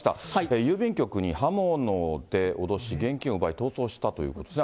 郵便局で刃物で脅し、金を奪い犯人は逃走したということですね。